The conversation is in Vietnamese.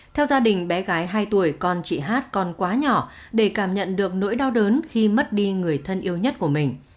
theo gia đình bé gái hai tuổi con chị hát còn quá nhỏ để cảm nhận được nỗi đau đớn khi mất đi người thân yêu nhất của mình